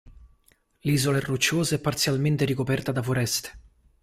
L'isola è rocciosa e parzialmente ricoperta da foreste.